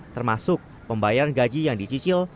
termasuk pembayaran gaji yang dicicil